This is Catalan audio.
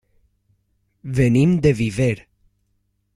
Venim de Viver.